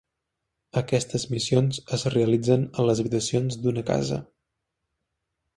Aquestes missions es realitzen a les habitacions d'una casa.